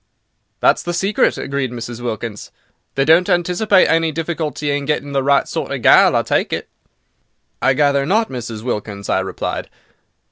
"That's the secret," agreed Mrs. Wilkins. "They don't anticipate any difficulty in getting the right sort of gal, I take it?" "I gather not, Mrs. Wilkins," I replied.